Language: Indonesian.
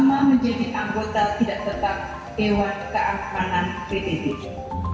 selama menjadi anggota tidak tetap dewan keamanan pbb